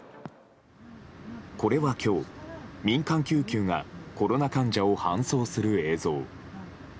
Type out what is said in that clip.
これは今日、民間救急がコロナ患者を搬送する映像。